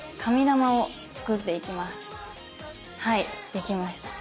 はいできました。